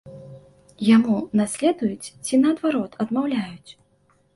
Яму наследуюць ці, наадварот, адмаўляюць?